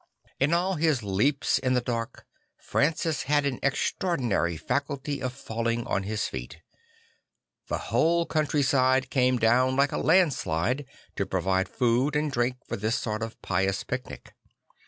In all his leaps in the dark, Francis had an extraordinary faculty of falling on his feet. The whole countryside came do\vn like a landslide to provide food and drink for this sort of pious picnic.